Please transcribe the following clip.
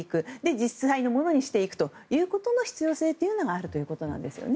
実際のものにしていくということの必要性があるということですね。